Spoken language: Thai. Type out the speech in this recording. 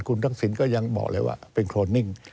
คุณทักษิณก็ยังบอกเลยว่าเป็นโครนนิ่ง